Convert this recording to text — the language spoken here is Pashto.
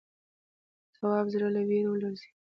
تواب زړه له وېرې ولړزېد.